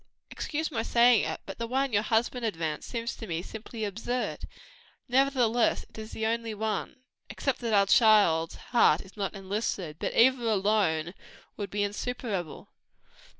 Excuse my saying it, but the one your husband advanced, seems to me simply absurd." "Nevertheless it is the only one; except that our child's heart is not enlisted; but either alone would be insuperable."